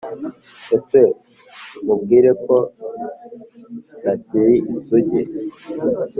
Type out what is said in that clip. Ese mubwire ko ntakiri isug